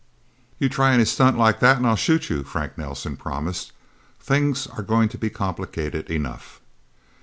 "You try any stunt like that and I'll shoot you," Frank Nelsen promised. "Things are going to be complicated enough."